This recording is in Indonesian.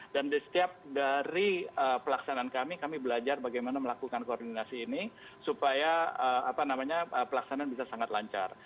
dan setiap dari pelaksanaan kami kami belajar bagaimana melakukan koordinasi ini supaya pelaksanaan bisa sangat lancar